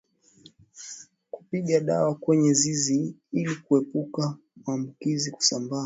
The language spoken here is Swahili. Kupiga dawa kwenye zizi ili kuepusha maambukizi kusambaa